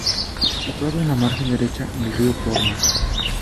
Situado en la margen derecha del Río Porma.